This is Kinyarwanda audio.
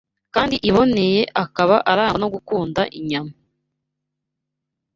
kandi iboneye, akaba arangwa no gukunda inyama